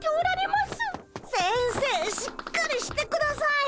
しっかりしてください！